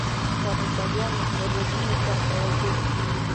فرانسویانو فعالیتونو ته توجه وکړي.